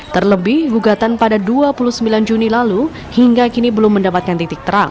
terlebih gugatan pada dua puluh sembilan juni lalu hingga kini belum mendapatkan titik terang